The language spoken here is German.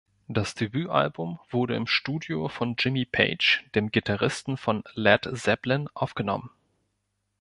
Das Debütalbum wurde im Studio von Jimmy Page, dem Gitarristen von Led Zeppelin, aufgenommen.